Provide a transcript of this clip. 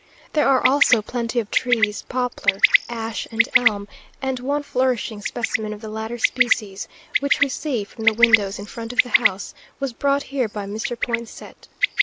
There are also plenty of trees; poplar, ash, and elm; and one flourishing specimen of the latter species, which we see from the windows in front of the house, was brought here by Mr. Poinsett.